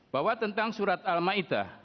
bahwa tentang surat al ma'idah